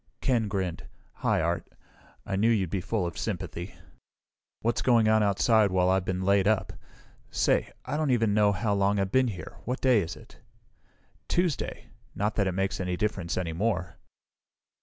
Ken grinned. "Hi, Art. I knew you'd be full of sympathy. What's going on outside while I've been laid up? Say I don't even know how long I've been here! What day is it?" "Tuesday. Not that it makes any difference any more."